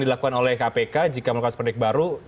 dilakukan oleh kpk jika melakukan seperindik baru